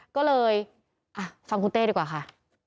ก็เลยฟังคุณเต้ดีกว่าค่ะ